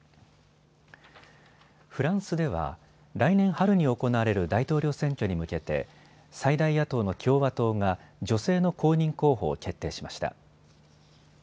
フランスでは来年春に行われる大統領選挙に向けて最大野党の共和党が女性の公認候補を決定しました。